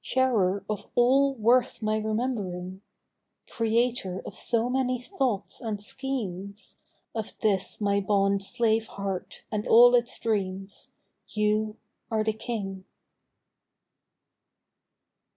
Sharer of all worth my remembering 1 Creator of so many thoughts and schemes. Of this my bond slave heart and all its dreams You are the King